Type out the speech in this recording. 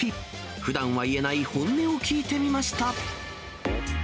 ふだんは言えない本音を聞いてみました。